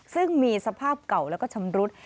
ซึ่งมีสภาพเก่าแล้วก็ชำรุด